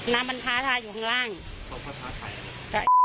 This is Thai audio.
น้ำมันพาทายอยู่ข้างล่างมึงลงมาเลยประมาณนี้แหละ